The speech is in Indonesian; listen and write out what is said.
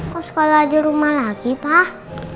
kok sekolah di rumah lagi pak